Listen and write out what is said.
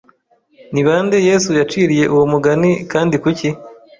Ni ba nde Yesu yaciriye uwo mugani kandi kuki